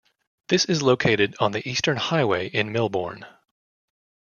This is located on the Eastern Highway in Melbourne.